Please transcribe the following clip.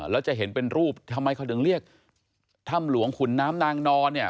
แล้วจะเห็นเป็นรูปทำไมเขาถึงเรียกถ้ำหลวงขุนน้ำนางนอนเนี่ย